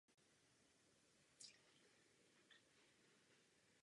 Blahopřeji všem!